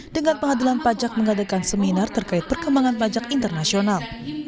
dengan pengadilan pajak mengadakan seminar terkait perkembangan pajak internasional